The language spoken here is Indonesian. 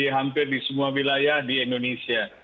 hampir di semua wilayah di indonesia